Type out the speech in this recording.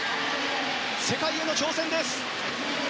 世界への挑戦です！